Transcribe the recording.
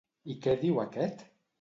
I què diu aquest?